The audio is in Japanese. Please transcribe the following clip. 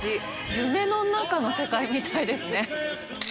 夢の中の世界みたいですね。